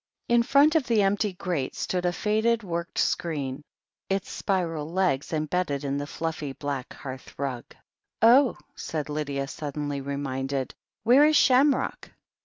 In front of the empty grate stood a faded worked screen, its spiral legs embedded in the fluffy black hearth rug. "Oh," said Lydia, suddenly reminded, "where is Shamrock?"